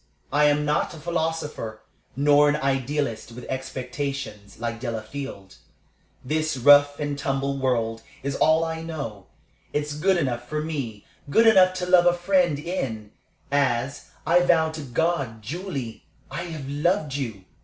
I am not a philosopher, nor an idealist, with expectations, like Delafield. This rough and tumble world is all I know. It's good enough for me good enough to love a friend in, as I vow to God, Julie! I have loved you.